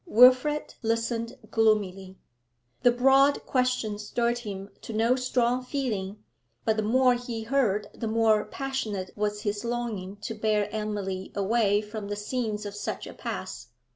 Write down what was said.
Wilfrid listened gloomily. The broad question stirred him to no strong feeling, but the more he heard the more passionate was his longing to bear Emily away from the scenes of such a past.